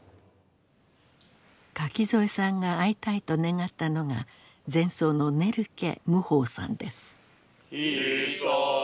垣添さんが会いたいと願ったのが禅僧のネルケ無方さんです。